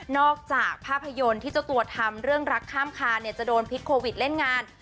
จากภาพยนตร์ที่เจ้าตัวทำเรื่องรักข้ามคานเนี่ยจะโดนพิษโควิดเล่นงาน